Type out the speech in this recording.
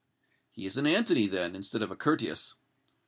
"He is an Antony, then, instead of a Curtius."